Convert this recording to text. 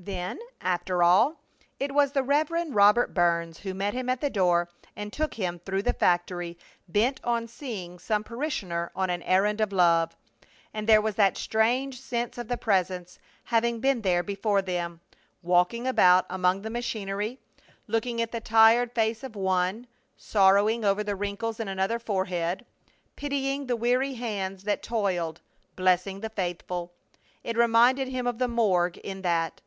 Then, after all, it was the Rev. Robert Burns who met him at the door and took him through the factory, bent on seeing some parishioner on an errand of love. And there was that strange sense of the Presence having been there before them, walking about among the machinery, looking at the tired face of one, sorrowing over the wrinkles in another forehead, pitying the weary hands that toiled, blessing the faithful! It reminded him of the morgue in that.